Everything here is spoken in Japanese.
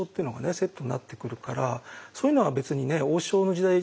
セットになってくるからそういうのは別にね大塩の時代だけじゃなくてね